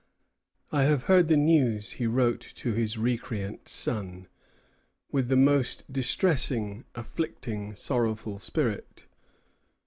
"I have heard the news," he wrote to his recreant son, "with the most distressing, afflicting, sorrowful spirit.